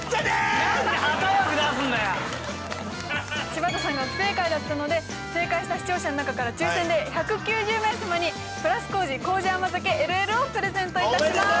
柴田さんが不正解だったので正解した視聴者の中から抽選で１９０名様にプラス糀糀甘酒ＬＬをプレゼントいたします。